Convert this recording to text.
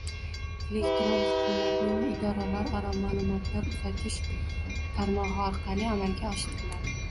elektron hukumatning idoralararo ma’lumotlar uzatish tarmog‘i orqali amalga oshiriladi.